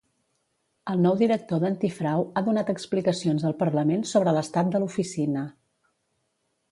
El nou director d'Antifrau ha donat explicacions al Parlament sobre l'estat de l'oficina.